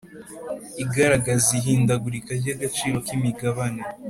igaragaza ihindagurika ry agaciro k imigabane